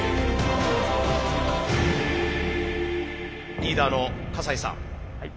リーダーの笠井さん。